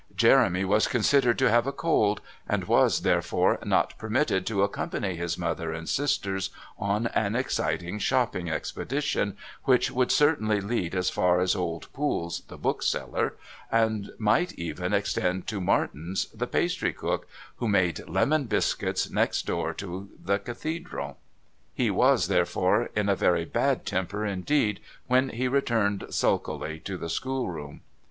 Jeremy was considered to have a cold, and was, therefore, not permitted to accompany his mother and sisters on an exciting shopping expedition, which would certainly lead as far as old Poole's, the bookseller, and might even extend to Martins', the pastrycook, who made lemon biscuits next door to the Cathedral. He was, therefore, in a very bad temper indeed when he returned sulkily to the schoolroom.